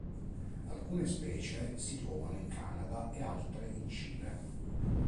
Alcune specie si trovano in Canada e altre in Cile.